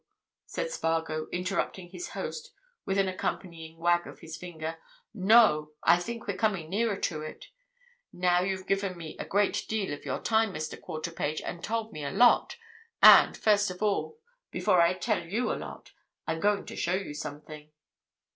said Spargo, interrupting his host with an accompanying wag of his forefinger. "No! I think we're coming nearer to it. Now you've given me a great deal of your time, Mr. Quarterpage, and told me a lot, and, first of all, before I tell you a lot, I'm going to show you something."